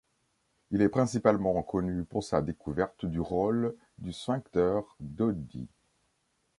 Il est principalement connu pour sa découverte du rôle du sphincter d'Oddi.